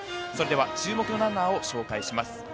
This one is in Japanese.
それでは注目のランナーを紹介します。